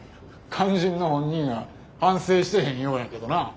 肝心の本人は反省してへんようやけどな。